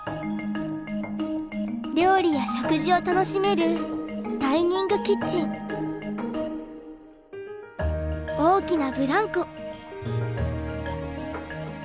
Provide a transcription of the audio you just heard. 料理や食事を楽しめるダイニングキッチン大きなブランコ。